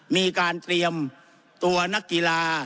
มีการเตรียมตัวนักกีฬา